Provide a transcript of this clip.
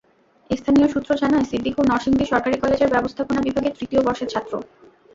স্থানীয় সূত্র জানায়, সিদ্দিকুর নরসিংদী সরকারি কলেজের ব্যবস্থাপনা বিভাগের তৃতীয় বর্ষের ছাত্র।